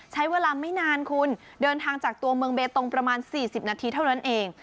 ใช้เวลาไม่นานคุณเดินทางจากตัวเมืองเบตงประมาณ๔๐นาทีเท่านั้นเอง